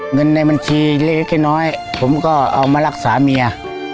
เงินในบัญชีเล็กเพราะผมก็เอามารักษาเนี้ย